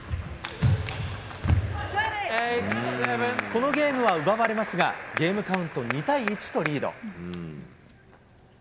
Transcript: このゲームは奪われますが、ゲームカウント２対１とリード。